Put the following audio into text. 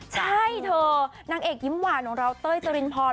ใช่เธอนางเอกยิ้มหวานของเราเต้ยจรินพร